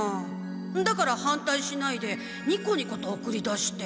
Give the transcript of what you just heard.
だから反対しないでニコニコと送り出して。